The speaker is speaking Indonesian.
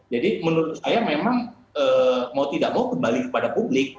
jadi menurut saya memang mau tidak mau kembali kepada publik